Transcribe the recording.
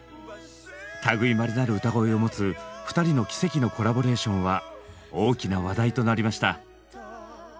類いまれなる歌声を持つ２人の奇跡のコラボレーションは大きな話題となりました。